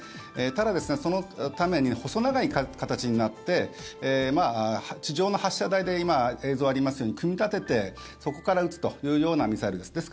ただ、そのために細長い形になって地上の発射台で今、映像ありますように組み立ててそこから撃つというようなミサイルです。